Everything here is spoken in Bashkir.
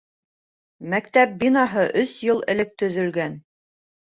Мәктәп бинаһы өс йыл элек төҙөлгән.